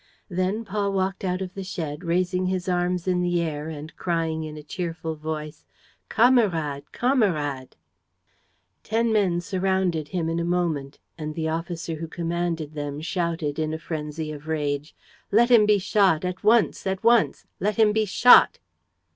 Then Paul walked out of the shed, raising his arms in the air and crying, in a cheerful voice: "Kamerad! Kamerad!" Ten men surrounded him in a moment; and the officer who commanded them shouted, in a frenzy of rage: "Let him be shot! ... At once ... at once! ... Let him be shot!